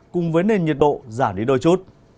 cùng với nền nhiệt độ giảm đi đôi chút